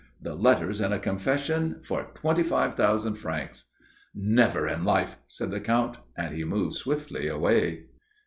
The letters and a confession for twenty five thousand francs." "Never in life," said the Count, and he moved swiftly away.